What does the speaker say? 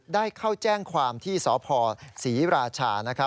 ได้เข้าแจ้งความที่สพศรีราชา